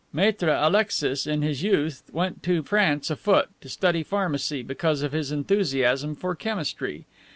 Maitre Alexis, in his youth, went to France afoot, to study pharmacy, because of his enthusiasm for chemistry.